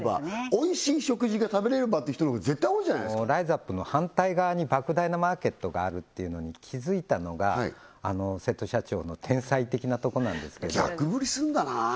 おいしい食事が食べれればって人のが絶対多いじゃないですかライザップの反対側に莫大なマーケットがあるっていうのに気づいたのがあの瀬戸社長の天才的なとこなんですけど逆振りすんだな